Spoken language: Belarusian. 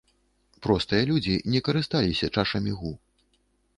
Простыя людзі не карысталіся чашамі гу.